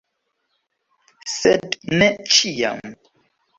Sed ne ĉiam!